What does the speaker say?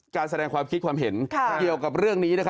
การแสดงความคิดความเห็นเกี่ยวกับเรื่องนี้